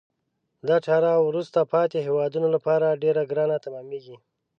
دا چاره وروسته پاتې هېوادونه لپاره ډیره ګرانه تمامیږي.